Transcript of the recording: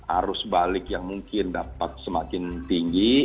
arus balik yang mungkin dapat semakin tinggi